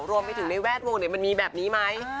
รวมไปถึงในแวดวงมันมีแบบนี้ไหม